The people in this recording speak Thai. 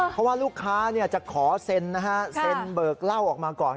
เพราะว่าลูกค้าจะขอเซ็นนะฮะเซ็นเบิกเหล้าออกมาก่อน